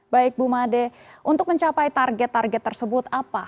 baik bu made untuk mencapai target target tersebut apa